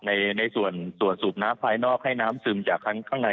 ในส่วนตรวจสูบน้ำภายนอกให้น้ำซึมจากข้างใน